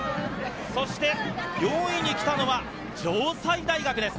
そして４位に来たのは城西大学です。